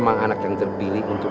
jangan lupa untuk berikan duit